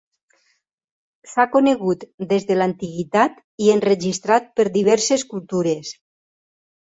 S'ha conegut des de l'antiguitat i enregistrat per diverses cultures.